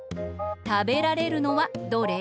たべられるのはどれ？